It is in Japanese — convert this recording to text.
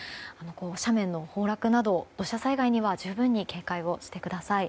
斜面の崩落など土砂災害などには十分に警戒をしてください。